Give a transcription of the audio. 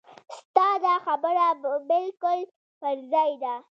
ستا دا خبره بالکل پر ځای ده.